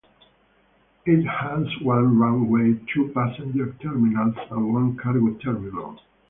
It has one runway, two passenger terminals and one cargo terminal.